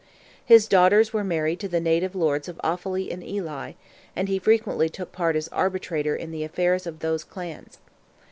His daughters were married to the native lords of Offally and Ely, and he frequently took part as arbitrator in the affairs of those clans.